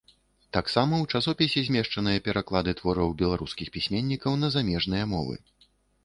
Таксама ў часопісе змешчаныя пераклады твораў беларускіх пісьменнікаў на замежныя мовы.